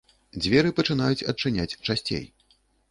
Дзверы пачынаюць адчыняць часцей.